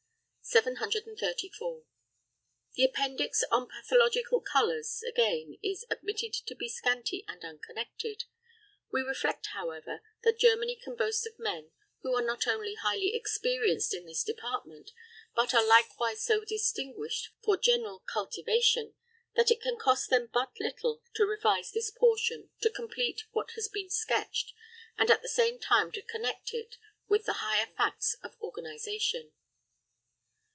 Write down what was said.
734. The appendix on pathological colours, again, is admitted to be scanty and unconnected. We reflect, however, that Germany can boast of men who are not only highly experienced in this department, but are likewise so distinguished for general cultivation, that it can cost them but little to revise this portion, to complete what has been sketched, and at the same time to connect it with the higher facts of organisation.